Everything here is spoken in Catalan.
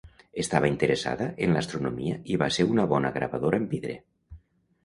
Estava interessada en l'astronomia i va ser una bona gravadora en vidre.